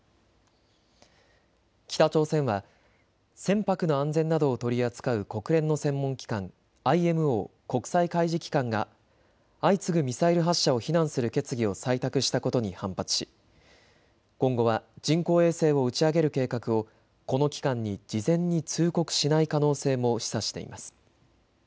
北朝鮮は船舶の安全などを取り扱う国連の専門機関、ＩＭＯ・国際海事機関が相次ぐミサイル発射を非難する決議を採択したことに反発し今後は人工衛星を打ち上げる計画をこの機関に事前に通告しない可能性も示唆しています。